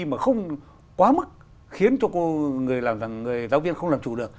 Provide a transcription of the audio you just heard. mà không quá mức khiến cho người làm giáo viên không làm chủ được